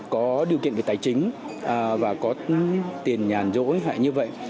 có điều kiện về tài chính và có tiền nhàn dỗi hoặc như vậy